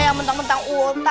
yang mentang mentang ulta